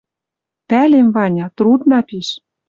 Пӓлем, Ваня, трудна пиш